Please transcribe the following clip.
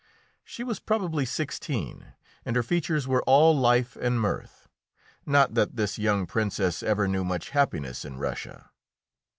She was probably sixteen, and her features were all life and mirth. Not that this young Princess ever knew much happiness in Russia.